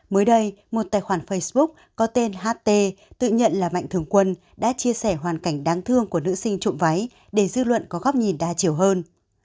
mới đây một tài khoản facebook có tên ht tự nhận là mạnh thường quân đã chia sẻ hoàn cảnh đáng thương của nữ sinh trộm váy để dư luận có góc nhìn đa chiều hơn